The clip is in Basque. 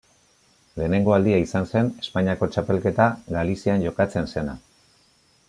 Lehenengo aldia izan zen Espainiako txapelketa Galizian jokatzen zena.